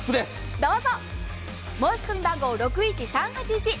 どうぞ。